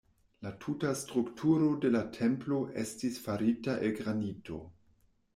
La tuta strukturo de la templo estis farita el granito.